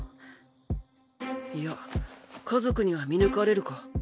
いや家族には見抜かれるか。